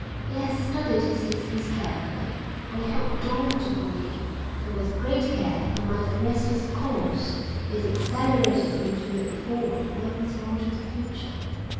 He had studied his disease carefully, and the hope dawned upon him that with great care he might arrest its course. It exhilarated him to look forward once more to the future.